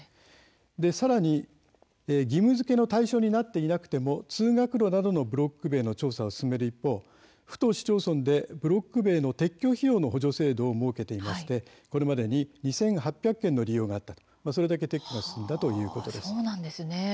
さらに義務づけの対象になっていなくても、通学路などのブロック塀の調査を進める一方府と市町村でブロック塀撤去費用の補助制度を設けていましてこれまでに２８００件の利用があったということです。